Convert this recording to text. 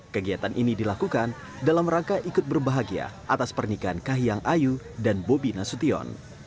kegiatan ini dilakukan dalam rangka ikut berbahagia atas pernikahan kahiyang ayu dan bobi nasution